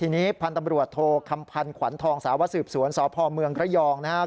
ทีนี้พันธ์ตำรวจโทคำพันธ์ขวัญทองสาวสืบสวนสพเมืองระยองนะครับ